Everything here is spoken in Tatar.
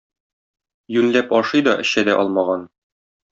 Юньләп ашый да, эчә дә алмаган.